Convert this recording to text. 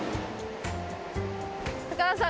高田さん